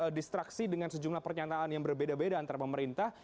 distraksi dengan sejumlah pernyataan yang berbeda beda antara pemerintah